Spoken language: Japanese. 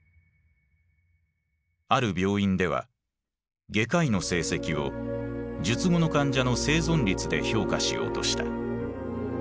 ある病院では外科医の成績を術後の患者の「生存率」で評価しようとした。